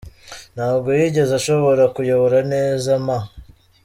Ntabwo yigeze ashobora kuyobora neza M.